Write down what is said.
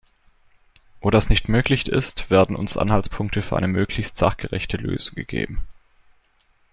Wo das nicht möglich ist, werden uns Anhaltspunkte für eine möglichst sachgerechte Lösung gegeben.